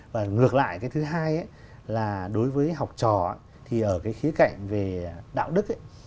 và ngược lại cái thứ hai là đối với học trò thì ở cái khía cạnh về đạo đức ấy